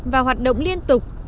và hoạt động liên tục